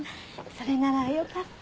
それならよかった。